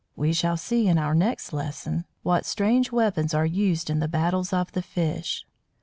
We shall see, in our next lesson, what strange weapons are used in the battles of the fish.